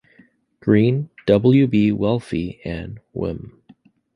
Green, W. B. Whelpley, and Wm.